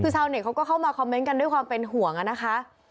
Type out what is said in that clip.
คือท่านเน้กเขาก็เข้ามาด้วยความเป็นหวงอะนะคะ